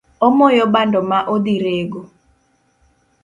Omoyo bando ma odhi rego